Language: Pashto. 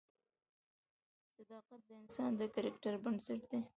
صداقت د انسان د کرکټر بنسټ دی.